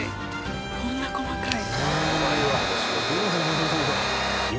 こんな細かい。